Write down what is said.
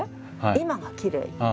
「今がきれい。